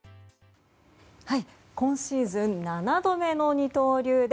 今シーズン７度目の二刀流で